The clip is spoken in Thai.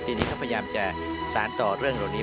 ทีนี้เขาพยายามจะสารต่อเรื่องเหล่านี้